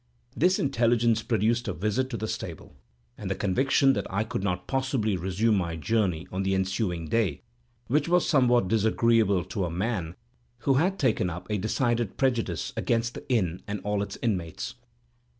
This intelligence produced a visit to the stable, and the conviction that I could not possibly resume my journey on the ensuing day; which was somewhat disagreeable to a man who had taken up a decided prejudice against the inn and all its inmates.